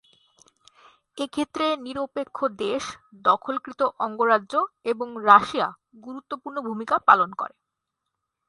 এক্ষেত্রে নিরপেক্ষ দেশ, দখলকৃত অঙ্গরাজ্য এবং রাশিয়া গুরুত্বপূর্ণ ভূমিকা পালন করে।